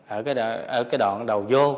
ở cái đoạn đầu vô